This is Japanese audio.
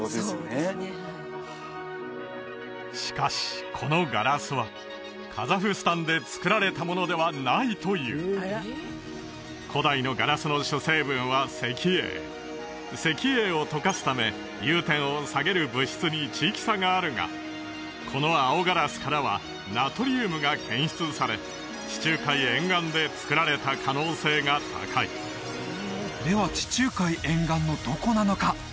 そうですねはいしかしこのガラスはカザフスタンで作られたものではないという古代のガラスの主成分は石英石英を溶かすため融点を下げる物質に地域差があるがこの青ガラスからはナトリウムが検出され地中海沿岸で作られた可能性が高いでは地中海沿岸のどこなのか？